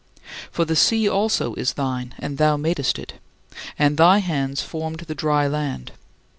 For the sea also is thine, and thou madest it, and thy hands formed the dry land.